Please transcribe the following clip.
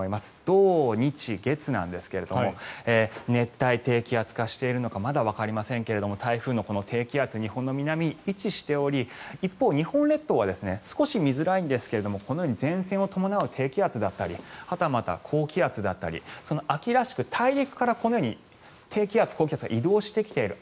土、日、月なんですけども熱帯低気圧化しているのかまだわかりませんが台風の低気圧日本の南に位置しており一方、日本列島は少し見づらいんですがこのように前線を伴う低気圧だったりはたまた高気圧だったり秋らしく大陸からこのように低気圧、高気圧が移動してきている。